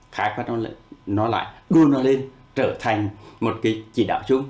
thái phát nó lại đuôn nó lên trở thành một cái chỉ đạo